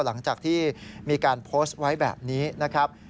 หลังจากที่มีการโพสต์ไว้แบบนี้นะครับ